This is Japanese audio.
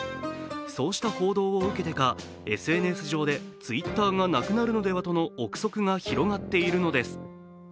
そうした報道を受けてか、ＳＮＳ上でＴｗｉｔｔｅｒがなくなるのではという臆測が広がっているのです。